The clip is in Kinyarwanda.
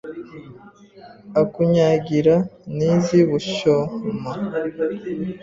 Akunyagira n'iz'i Bushyoma